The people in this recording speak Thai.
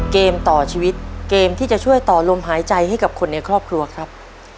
เกมต่อชีวิตเกมที่จะช่วยต่อลมหายใจให้กับคนในครอบครัวครับ